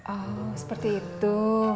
oh seperti itu